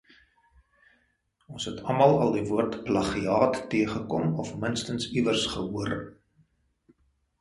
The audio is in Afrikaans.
Ons het almal al die woord 'plagiaat' teëgekom of minstens iewers gehoor.